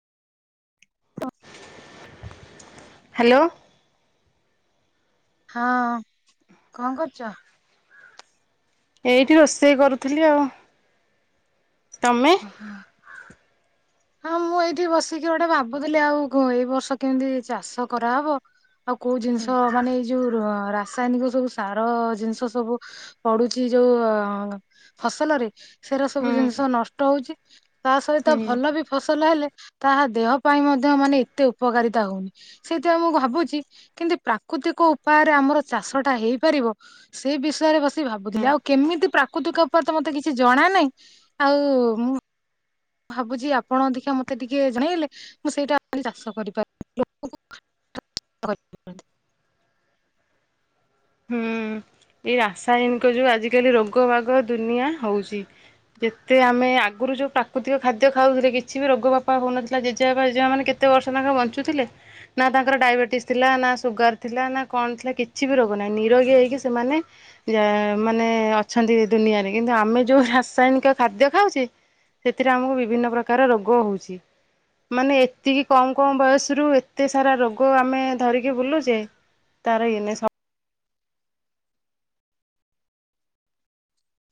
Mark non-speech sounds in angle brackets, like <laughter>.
<inaudible> Hello. ହଁ କଣ କରୁଚ? ଏଇଠି ରୋଷେଇ କରୁଥିଲି ଆଉ ତମେ? ହଁ। ହଁ ମୁଁ ଏଇଠି ବସିକି ଗୋଟେ ଭାବୁଥିଲି ଆଉ କ ଏଇ ବର୍ଷ କେମିତି ଚାଷ କରାହବ ଆଉ କୋଉ ଜିନିଷ ମାନେ ଏଇ ଯୋଉ ରା ରାସାୟନିକ ସବୁ ସାର ଜିନିଷ ସବୁ ପଡ଼ୁଚି ଯୋଉ ଅ ଫସଲରେ ସେରା ହୁଁ ସବୁ ଜିନିଷ ନଷ୍ଟ ହଉଚି, ହୁଁ ତାସହିତ ଭଲବି ଫସଲ ହେଲେ ତାହା ଦେହ ପାଇଁ ମଧ୍ୟ ମାନେ ଏତେ ଉପକାରିତା ହଉନି ସେଇଥିପାଇଁ ମୁଁ ଭାବୁଚି କେମିତି ପ୍ରାକୃତିକ ଉପାୟରେ ଆମର ଚାଷଟା ହେଇପାରିବ ସେଇ ବିଷୟରେ ବ ହୁଁ ଭାବୁଥିଲି ଆଉ କେମିତି ପ୍ରାକୃତିକ ଉପରେତ ମତେ କିଛି ଜଣା ନାହିଁ ଆଉଁ ଭାବୁଚି ଆପଣ ଅଧିକା ମତେ ଟିକେ ଜଣେଇଲେ ମୁଁ ସେଇଟା ଚାଷ କରିପାରି <unintelligible> <unintelligible> ହୁଁ ଏଇ ରାସାୟନିକ ଯୋଉ ଆଜିିକାଲି ରୋଗ ବାଗ ଦୁନିଆ ହଉଚି। ଯେତେ ଆମେ ଆଗରୁ ଯୋଉ ପ୍ରାକୃତିକ ଖାଦ୍ୟ ଖାଉଥିଲେ କିଛିବି ରୋଗ ବାପା ହଉନଥିଲା ଜେଜେବାପା ଜେଜେମା ମାନେ କେ କେତେ ବର୍ଷ ନେଖା ବଞ୍ଚୁଥିଲେ ନାତାଙ୍କର ଡାଇବେଟିସ ଥିଲା ନାସୁଗାର ଥିଲା ନାକଣ ଥିଲା କିଛିବି ରୋ ମାନେ ନିରୋଗୀ ହେଇକି ସେମାନେ ଯ ମାନେ ଅଛନ୍ତି ଦୁନିଆରେ କିନ୍ତୁ ଆମେ ଯୋଉ ରାସାୟନିକ ଖାଦ୍ୟ ଖାଉଚେ ସେଥିରେ ଆମକୁ ବିଭିନ୍ନ ପ୍ରକାର ରୋଗ ହେଉଚି। ମାନେ ଏତିକି କମ୍ କମ୍ ବୟସରୁ ଏତେ ସାରା ରୋଗ ଆମେ ଧରିକି ବୁଲୁଚେ ତାର ଏନ-